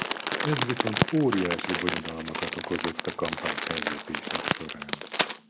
Ez viszont óriási bonyodalmakat okot a kampányfellépések során.